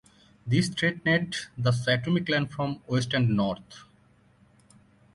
This threatened the Satomi clan from west and north.